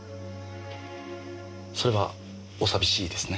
それはお寂しいですね。